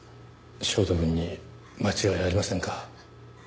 翔太くんに間違いありませんか？